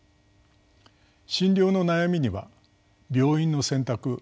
「診療の悩み」には病院の選択